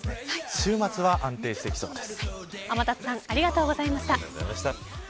週末は安定してきそうです。